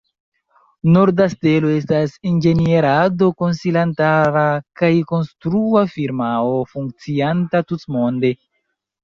Norda Stelo estas inĝenierado-konsilantara kaj konstrua firmao funkcianta tutmonde.